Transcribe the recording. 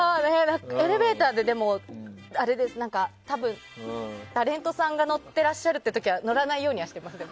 エレベーターでタレントさんが乗っていらっしゃる時は乗らないようにはしてますね。